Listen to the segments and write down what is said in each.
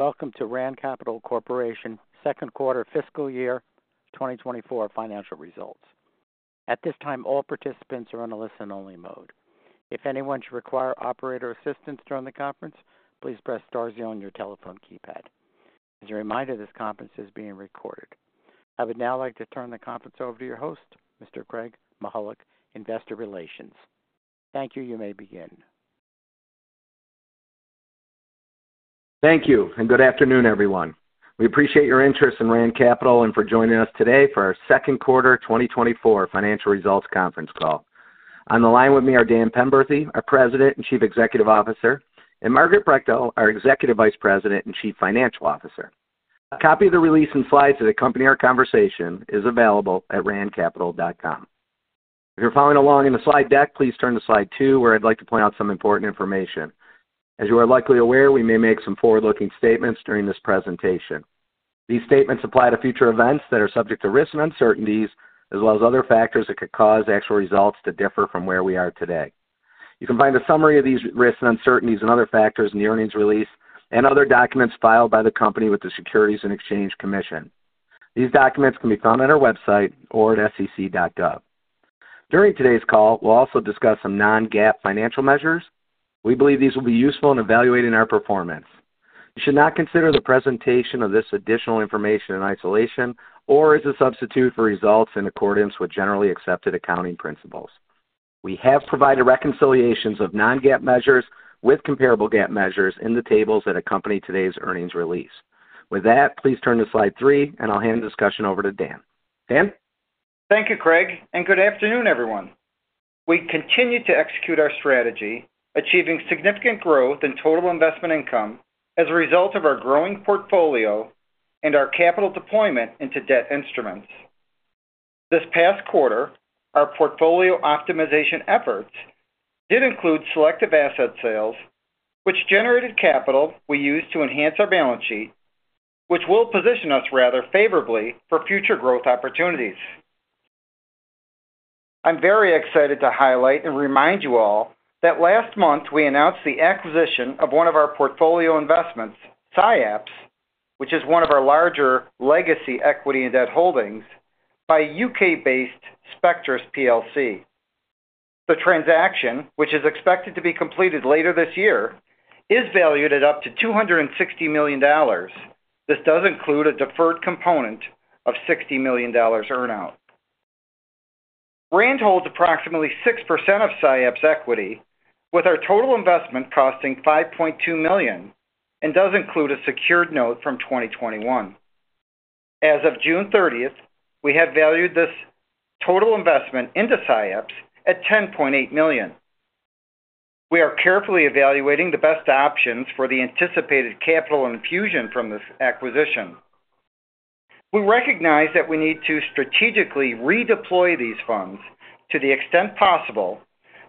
Welcome to Rand Capital Corporation Second Quarter Fiscal Year 2024 Financial Results. At this time, all participants are on a listen-only mode. If anyone should require operator assistance during the conference, please press star zero on your telephone keypad. As a reminder, this conference is being recorded. I would now like to turn the conference over to your host, Mr. Craig Mihalik, Investor Relations. Thank you. You may begin. Thank you, and good afternoon, everyone. We appreciate your interest in Rand Capital and for joining us today for our second quarter 2024 financial results conference call. On the line with me are Dan Penberthy, our President and Chief Executive Officer, and Margaret Brechtel, our Executive Vice President and Chief Financial Officer. A copy of the release and slides that accompany our conversation is available at randcapital.com. If you're following along in the slide deck, please turn to slide 2, where I'd like to point out some important information. As you are likely aware, we may make some forward-looking statements during this presentation. These statements apply to future events that are subject to risks and uncertainties, as well as other factors that could cause actual results to differ from where we are today. You can find a summary of these risks and uncertainties and other factors in the earnings release and other documents filed by the company with the Securities and Exchange Commission. These documents can be found on our website or at sec.gov. During today's call, we'll also discuss some non-GAAP financial measures. We believe these will be useful in evaluating our performance. You should not consider the presentation of this additional information in isolation or as a substitute for results in accordance with generally accepted accounting principles. We have provided reconciliations of non-GAAP measures with comparable GAAP measures in the tables that accompany today's earnings release. With that, please turn to slide three, and I'll hand the discussion over to Dan. Dan? Thank you, Craig, and good afternoon, everyone. We continue to execute our strategy, achieving significant growth in total investment income as a result of our growing portfolio and our capital deployment into debt instruments. This past quarter, our portfolio optimization efforts did include selective asset sales, which generated capital we used to enhance our balance sheet, which will position us rather favorably for future growth opportunities. I'm very excited to highlight and remind you all that last month we announced the acquisition of one of our portfolio investments, SciAps, which is one of our larger legacy equity and debt holdings, by UK-based Spectris plc. The transaction, which is expected to be completed later this year, is valued at up to $260 million. This does include a deferred component of $60 million earn-out. Rand holds approximately 6% of SciAps' equity, with our total investment costing $5.2 million, and does include a secured note from 2021. As of June 30, we have valued this total investment in SciAps at $10.8 million. We are carefully evaluating the best options for the anticipated capital infusion from this acquisition. We recognize that we need to strategically redeploy these funds to the extent possible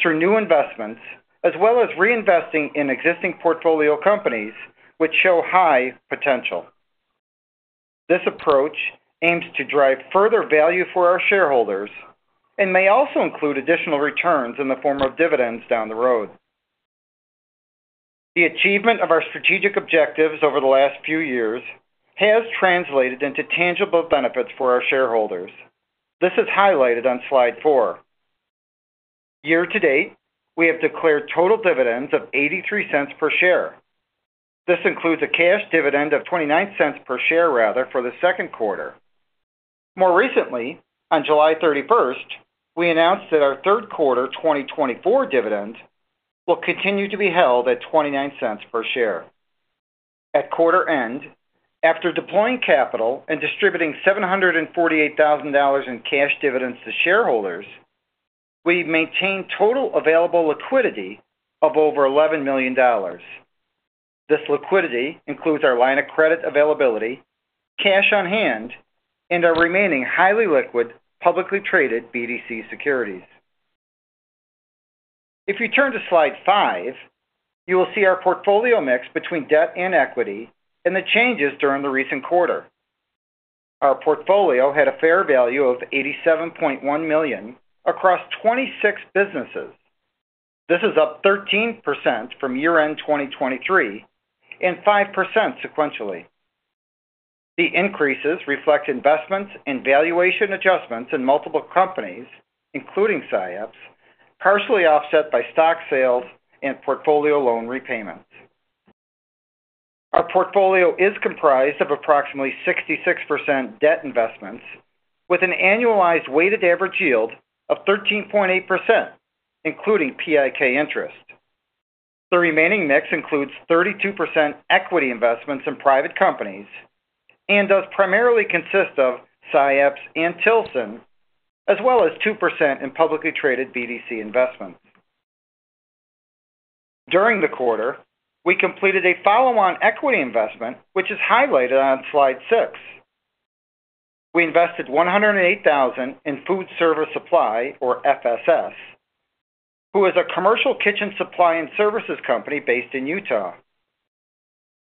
through new investments, as well as reinvesting in existing portfolio companies which show high potential. This approach aims to drive further value for our shareholders and may also include additional returns in the form of dividends down the road. The achievement of our strategic objectives over the last few years has translated into tangible benefits for our shareholders. This is highlighted on slide 4. Year to date, we have declared total dividends of $0.83 per share. This includes a cash dividend of $0.29 per share, rather, for the second quarter. More recently, on July 31, we announced that our third quarter 2024 dividend will continue to be held at $0.29 per share. At quarter end, after deploying capital and distributing $748,000 in cash dividends to shareholders, we maintained total available liquidity of over $11 million. This liquidity includes our line of credit availability, cash on hand, and our remaining highly liquid, publicly traded BDC securities. If you turn to slide 5, you will see our portfolio mix between debt and equity and the changes during the recent quarter. Our portfolio had a fair value of $87.1 million across 26 businesses. This is up 13% from year-end 2023 and 5% sequentially. The increases reflect investments and valuation adjustments in multiple companies, including SciAps, partially offset by stock sales and portfolio loan repayments. Our portfolio is comprised of approximately 66% debt investments, with an annualized weighted average yield of 13.8%, including PIK interest. The remaining mix includes 32% equity investments in private companies and does primarily consist of SciAps and Tilson, as well as 2% in publicly traded BDC investments. During the quarter, we completed a follow-on equity investment, which is highlighted on slide 6. We invested $108,000 in Food Service Supply, or FSS, who is a commercial kitchen supply and services company based in Utah.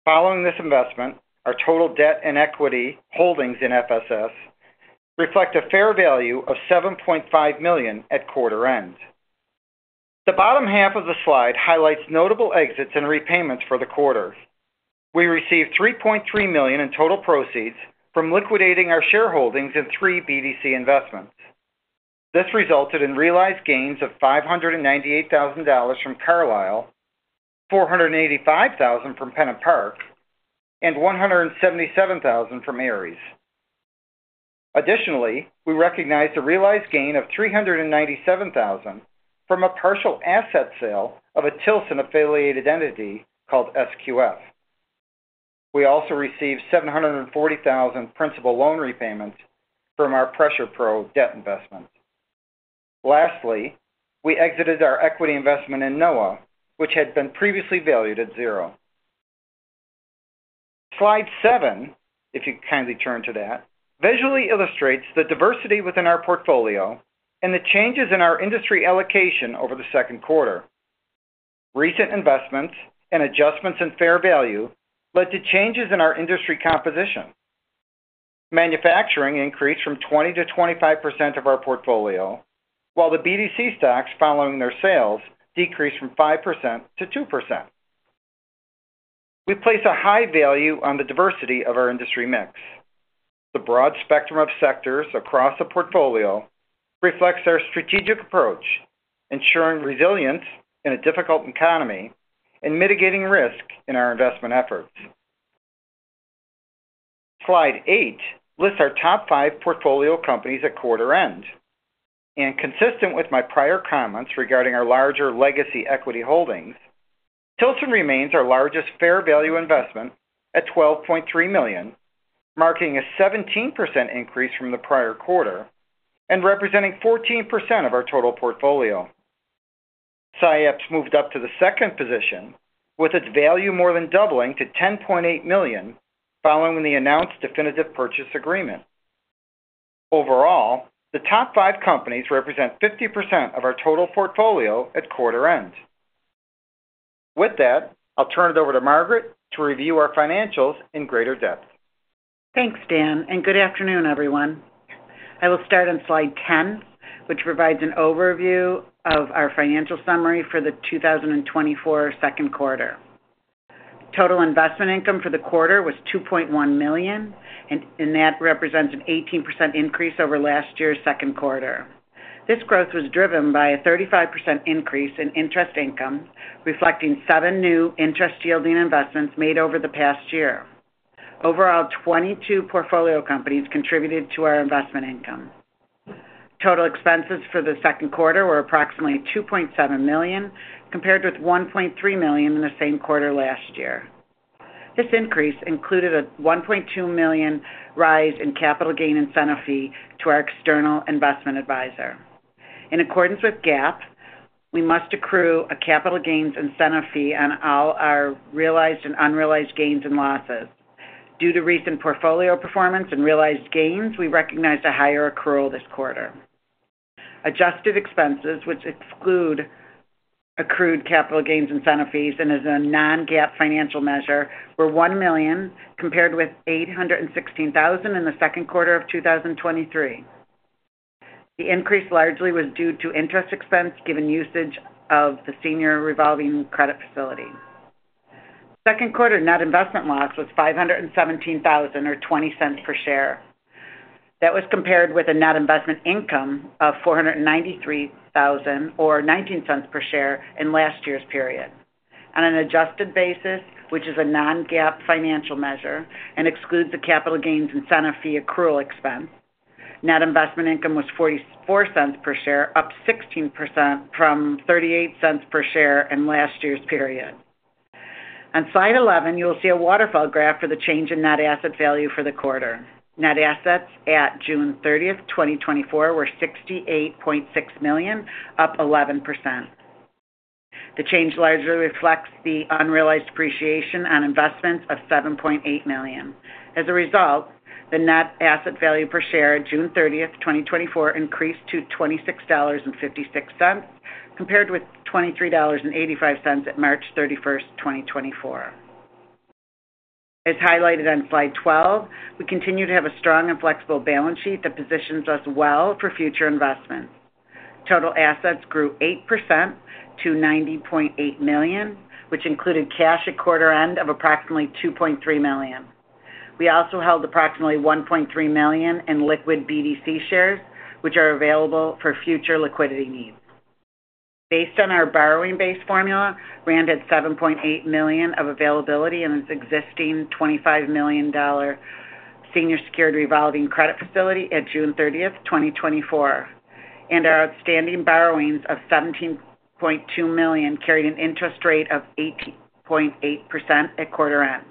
Following this investment, our total debt and equity holdings in FSS reflect a fair value of $7.5 million at quarter end. The bottom half of the slide highlights notable exits and repayments for the quarter. We received $3.3 million in total proceeds from liquidating our shareholdings in 3 BDC investments. This resulted in realized gains of $598,000 from Carlyle, $485,000 from PennantPark, and $177,000 from Ares. Additionally, we recognized a realized gain of $397,000 from a partial asset sale of a Tilson-affiliated entity called SQF. We also received $740,000 principal loan repayments from our Pressure-Pro debt investment. Lastly, we exited our equity investment in Knoa, which had been previously valued at 0. Slide 7, if you kindly turn to that, visually illustrates the diversity within our portfolio and the changes in our industry allocation over the second quarter. Recent investments and adjustments in fair value led to changes in our industry composition. Manufacturing increased from 20 to 25% of our portfolio, while the BDC stocks, following their sales, decreased from 5% to 2%. We place a high value on the diversity of our industry mix. The broad spectrum of sectors across the portfolio reflects our strategic approach, ensuring resilience in a difficult economy and mitigating risk in our investment efforts. Slide eight lists our top five portfolio companies at quarter end. Consistent with my prior comments regarding our larger legacy equity holdings, Tilson remains our largest fair value investment at $12.3 million, marking a 17% increase from the prior quarter and representing 14% of our total portfolio. SciAps moved up to the second position, with its value more than doubling to $10.8 million, following the announced definitive purchase agreement. Overall, the top five companies represent 50% of our total portfolio at quarter end. With that, I'll turn it over to Margaret to review our financials in greater depth. Thanks, Dan, and good afternoon, everyone. I will start on slide 10, which provides an overview of our financial summary for the 2024 second quarter. Total investment income for the quarter was $2.1 million, and that represents an 18% increase over last year's second quarter. This growth was driven by a 35% increase in interest income, reflecting seven new interest-yielding investments made over the past year. Overall, 22 portfolio companies contributed to our investment income. Total expenses for the second quarter were approximately $2.7 million, compared with $1.3 million in the same quarter last year. This increase included a $1.2 million rise in capital gain incentive fee to our external investment advisor. In accordance with GAAP, we must accrue a capital gains incentive fee on all our realized and unrealized gains and losses. Due to recent portfolio performance and realized gains, we recognized a higher accrual this quarter. Adjusted expenses, which exclude accrued capital gains incentive fees and is a non-GAAP financial measure, were $1 million, compared with $816,000 in the second quarter of 2023. The increase largely was due to interest expense, given usage of the senior revolving credit facility. Second quarter net investment loss was $517,000, or $0.20 per share. That was compared with a net investment income of $493,000, or $0.19 per share in last year's period. On an adjusted basis, which is a non-GAAP financial measure, and excludes the capital gains incentive fee accrual expense, net investment income was $0.44 per share, up 16% from $0.38 per share in last year's period. On slide 11, you will see a waterfall graph for the change in net asset value for the quarter. Net assets at June 30, 2024, were $68.6 million, up 11%. The change largely reflects the unrealized appreciation on investments of $7.8 million. As a result, the net asset value per share at June 30, 2024, increased to $26.56, compared with $23.85 at March 31, 2024. As highlighted on slide 12, we continue to have a strong and flexible balance sheet that positions us well for future investments. Total assets grew 8% to $90.8 million, which included cash at quarter end of approximately $2.3 million. We also held approximately $1.3 million in liquid BDC shares, which are available for future liquidity needs. Based on our borrowing base formula, Rand had $7.8 million of availability in its existing $25 million senior secured revolving credit facility at June 30, 2024, and our outstanding borrowings of $17.2 million carried an interest rate of 18.8% at quarter end.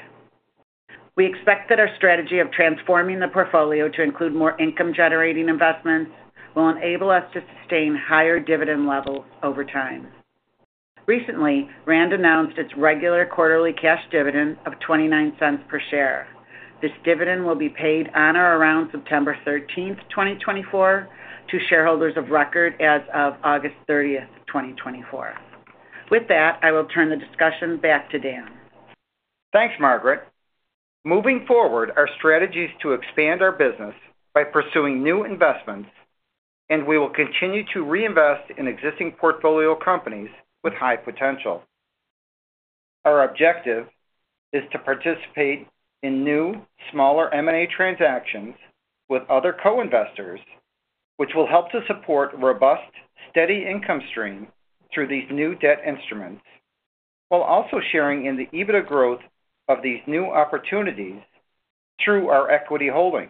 We expect that our strategy of transforming the portfolio to include more income-generating investments will enable us to sustain higher dividend levels over time. Recently, Rand announced its regular quarterly cash dividend of $0.29 per share. This dividend will be paid on or around September 13, 2024, to shareholders of record as of August 30, 2024. With that, I will turn the discussion back to Dan. Thanks, Margaret. Moving forward, our strategy is to expand our business by pursuing new investments, and we will continue to reinvest in existing portfolio companies with high potential. Our objective is to participate in new, smaller M&A transactions with other co-investors, which will help to support robust, steady income stream through these new debt instruments, while also sharing in the EBITDA growth of these new opportunities through our equity holdings.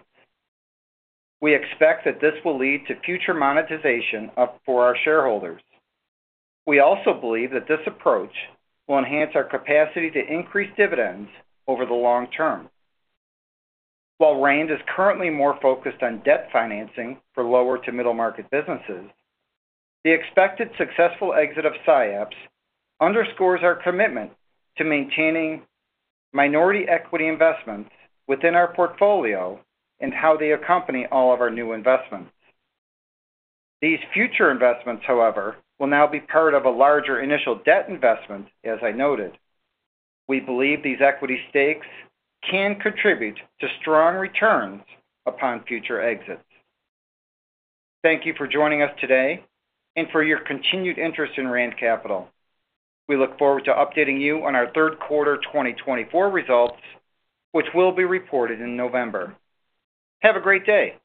We expect that this will lead to future monetization, for our shareholders. We also believe that this approach will enhance our capacity to increase dividends over the long term. While Rand is currently more focused on debt financing for lower to middle-market businesses, the expected successful exit of SciAps underscores our commitment to maintaining minority equity investments within our portfolio and how they accompany all of our new investments. These future investments, however, will now be part of a larger initial debt investment, as I noted. We believe these equity stakes can contribute to strong returns upon future exits. Thank you for joining us today and for your continued interest in Rand Capital. We look forward to updating you on our third quarter 2024 results, which will be reported in November. Have a great day.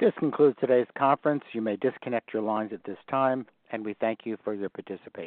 This concludes today's conference. You may disconnect your lines at this time, and we thank you for your participation.